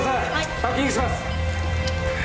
パッキングします。